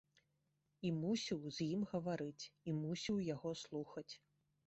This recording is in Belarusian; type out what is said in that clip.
І мусіў з ім гаварыць, і мусіў яго слухаць.